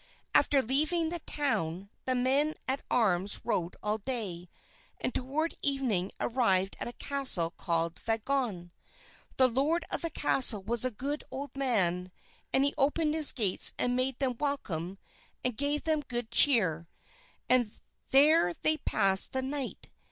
After leaving the town, the men at arms rode all day, and toward evening arrived at a castle called Vagon. The lord of the castle was a good old man and he opened his gates and made them welcome and gave them good cheer, and there they passed the night.